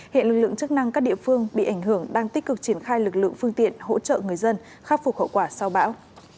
hiện lực lượng chức năng các địa phương bị ảnh hưởng đang tích cực triển khai lực lượng phương tiện hỗ trợ người dân khắc phục hậu quả sau bão